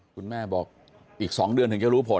คุณแม่บอกอีก๒เดือนถึงจะรู้ผล